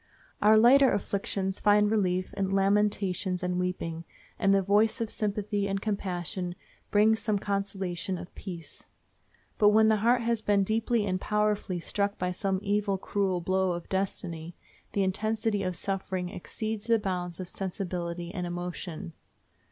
Our lighter afflictions find relief in lamentations and weeping, and the voice of sympathy and compassion brings some consolation and peace. But when the heart has been deeply and powerfully struck by some cruel blow of destiny, the intensity of suffering exceeds the bounds of sensibility and emotion.